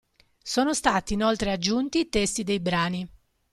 Sono stati inoltre aggiunti i testi dei brani.